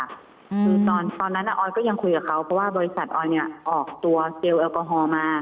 คือตอนนั้นออยก็ยังคุยกับเขาเพราะว่าบริษัทออยเนี่ยออกตัวเจลแอลกอฮอล์มา